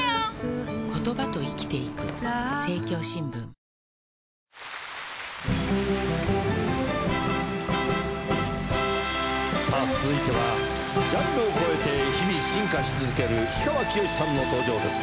五木さんのヒットメドレーも続いてはジャンルを超えて日々進化し続ける氷川きよしさんの登場です。